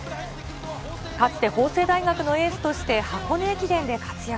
かつて法政大学のエースとして箱根駅伝で活躍。